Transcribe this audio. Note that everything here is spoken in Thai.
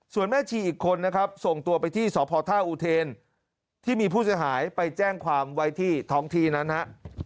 ส่วนแม่ชีอีกคนนะครับส่งตัวไปที่สพท่าอุเทนที่มีผู้เสียหายไปแจ้งความไว้ที่ท้องที่นั้นฮะ